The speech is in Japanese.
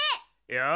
よし！